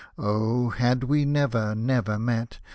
Oh ! had we never, never met.